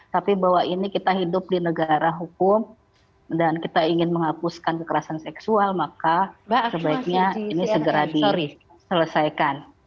tapi bahwa ini kita hidup di negara hukum dan kita ingin menghapuskan kekerasan seksual maka sebaiknya ini segera diselesaikan